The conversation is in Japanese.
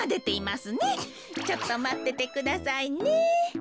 ちょっとまっててくださいね。